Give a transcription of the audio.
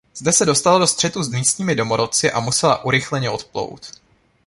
Zde se dostala do střetu s místními domorodci a musela urychleně odplout.